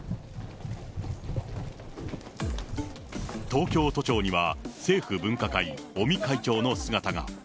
東京都庁には政府分科会、尾身会長の姿が。